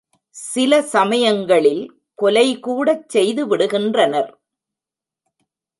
சில சமயங்களில் கொலை கூடச் செய்து விடுகின்றனர்.